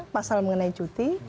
masalah mengenai cuti